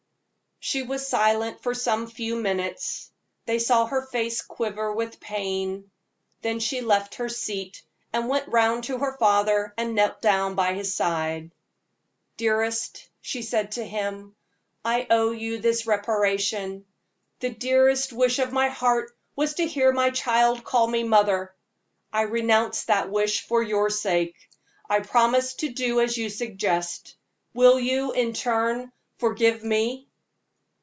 She was silent for some few minutes; they saw her face quiver with pain. Then she left her seat and went round to her father, and knelt down by his side. "Dearest," she said to him, "I owe you this reparation. The dearest wish of my heart was to hear my child call me mother. I renounce that wish for your sake I promise to do as you suggest. Will you, in turn, forgive me?"